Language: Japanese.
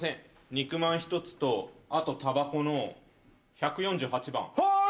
肉まん１つとあとたばこの１４８番はい！